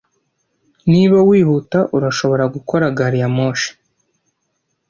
Niba wihuta urashobora gukora gari ya moshi.